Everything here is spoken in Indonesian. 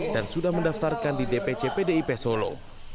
dan sudah mendaftarkan di dpc pdip solo